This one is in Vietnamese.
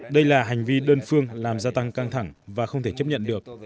đây là hành vi đơn phương làm gia tăng căng thẳng và không thể chấp nhận được